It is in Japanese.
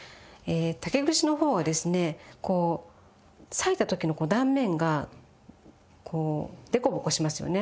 竹串の方がですねこう裂いた時の断面がこうデコボコしますよね。